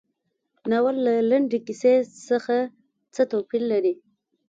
ناول له لنډې کیسې څخه څه توپیر لري.